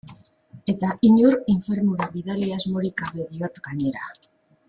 Eta inor infernura bidali asmorik gabe diot, gainera.